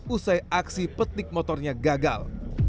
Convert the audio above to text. usai aksi petik motornya gagal